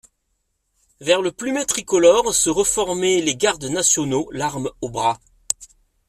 Vers le plumet tricolore se reformaient les gardes nationaux, l'arme au bras.